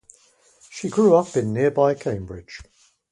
She grew up in nearby Cambridge.